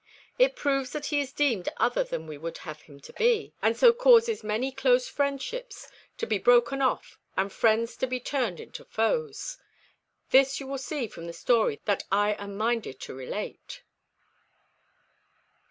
It proves that he is deemed other than we would have him to be, and so causes many close friendships to be broken off, and friends to be turned into foes. This you will see from the story that I am minded to relate."